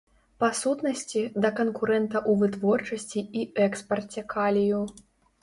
Па сутнасці, да канкурэнта ў вытворчасці і экспарце калію.